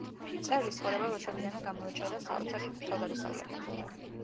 მწერლის ცხოვრება ბავშვობიდანვე გამოირჩეოდა საოცარი თავგადასავლებით.